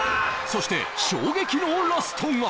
そして衝撃のラストが！